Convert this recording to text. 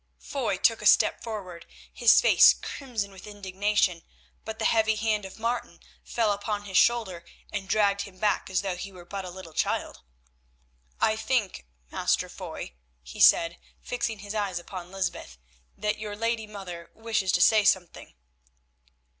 Foy took a step forward, his face crimson with indignation, but the heavy hand of Martin fell upon his shoulder and dragged him back as though he were but a little child. "I think, Master Foy," he said, fixing his eyes upon Lysbeth, "that your lady mother wishes to say something."